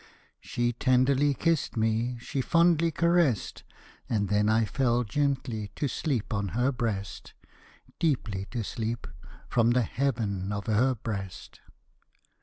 She tenderly kissed me, She fondly caressed, And then I fell gently To sleep on her breast Deeply to sleep From the heaven of her breast.